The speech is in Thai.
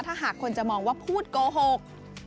ถ้าหากคนจะมองว่าพูดโกหก